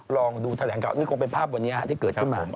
ลองดูแถลงข่าวนี่คงเป็นภาพวันนี้ที่เกิดขึ้นมา